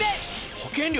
保険料